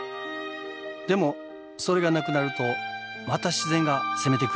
でもそれがなくなるとまた自然が攻めてくる。